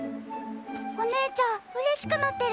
おねえちゃんうれしくなってる。